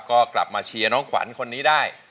ก็กลับมาเชียร์น้องขวัญคนนี้ได้